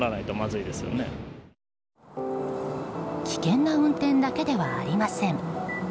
危険な運転だけではありません。